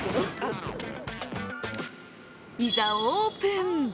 いざ、オープン。